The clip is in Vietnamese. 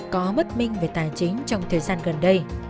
có bất minh về tài chính trong thời gian gần đây